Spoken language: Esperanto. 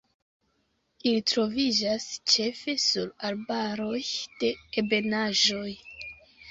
Ili troviĝas ĉefe sur arbaroj de ebenaĵoj.